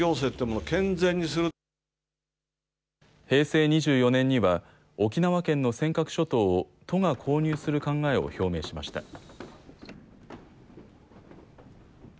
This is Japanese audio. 平成２４年には沖縄県の尖閣諸島を都が購入する考えを表明しました。